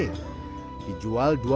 dan juga menjual ikan lele